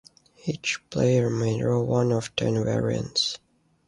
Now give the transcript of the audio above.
Each player may draw one of ten "variants".